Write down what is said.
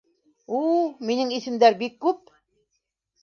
У, минең исемдәр бик күп!